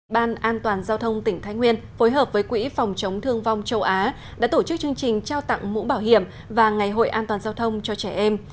ban an toàn giao thông tỉnh thái nguyên phối hợp với quỹ phòng chống thương vong châu á đã tổ chức chương trình trao tặng mũ bảo hiểm và ngày hội an toàn giao thông cho trẻ em